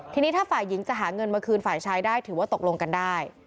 ทีนี้ถ้าฝ่ายหญิงจะหาเงินมาคืนฝ่ายชายได้ถือว่าตกลงกันได้